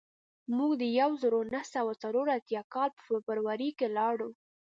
موږ د یو زرو نهه سوه څلور اتیا کال په فبروري کې لاړو